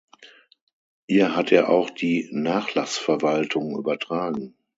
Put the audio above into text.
Ihr hat er auch die Nachlassverwaltung übertragen.